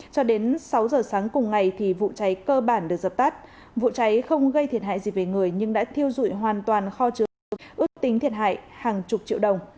cho đến sáu giờ sáng cùng ngày thì vụ cháy cơ bản được dập tắt vụ cháy không gây thiệt hại gì về người nhưng đã thiêu dụi hoàn toàn kho chứa ước tính thiệt hại hàng chục triệu đồng